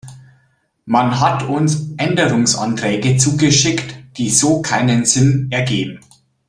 Man hat uns Änderungsanträge zugeschickt, die so keinen Sinn ergeben.